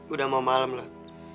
udah mau malam lah